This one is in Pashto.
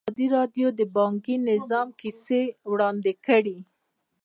ازادي راډیو د بانکي نظام کیسې وړاندې کړي.